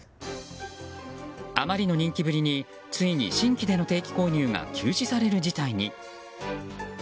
あまりの人気ぶりについに新規での定期購入が休止される事態に。